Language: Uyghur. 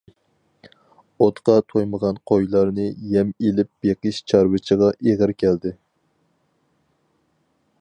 ئوتقا تويمىغان قويلارنى يەم ئېلىپ بېقىش چارۋىچىغا ئېغىر كەلدى.